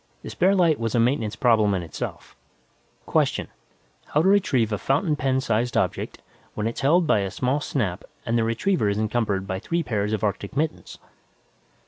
The spare light was a maintenance problem in itself. Question: How to retrieve a fountain pen sized object, when it's held by a small snap and the retriever is encumbered by three pairs of arctic mittens?